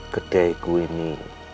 kedai ku ini